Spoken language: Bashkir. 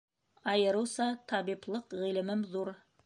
Айырыуса табиплыҡ ғилемем ҙур.